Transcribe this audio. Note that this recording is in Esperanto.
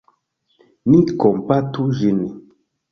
Ni kompatu ĝin.